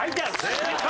正解！